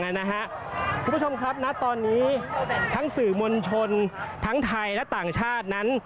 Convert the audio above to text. คุณผู้ชมครับณตอนนี้ทั้งสื่อมวลชนทั้งไทยและต่างชาตินั้น